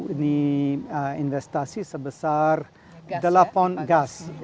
ini investasi sebesar delapan gas